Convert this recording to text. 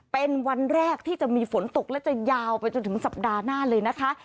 เป็นวันแรกที่จะมีฝนตกและจะยาวไปจนถึงสัปดาห์หน้าเลยนะคะ